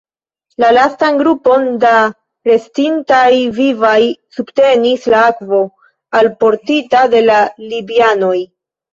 La lastan grupon da restintaj vivaj subtenis la akvo, alportita de la libianoj.